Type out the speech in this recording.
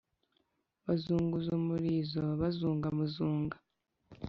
Bazunguza umurizo Bazunga muzunga